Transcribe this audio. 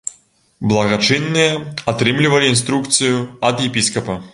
Благачынныя атрымлівалі інструкцыю ад епіскапа.